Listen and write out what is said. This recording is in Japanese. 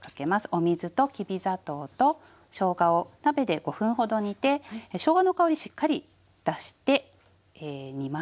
お水ときび砂糖としょうがを鍋で５分ほど煮てしょうがの香りしっかり出して煮ます。